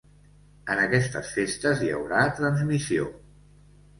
En aquestes festes hi haurà transmissió.